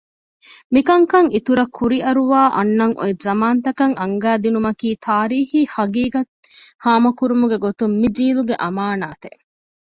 މިކަންކަން އިތުރަށް ކުރިއަރުވައި އަންނަން އޮތް ޒަމާންތަކަށް އަންގައިދިނުމަކީ ތާރީޚީ ޙަޤީޤަތް ހާމަކުރުމުގެ ގޮތުން މި ޖީލުގެ އަމާނާތެއް